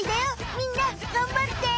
みんながんばって。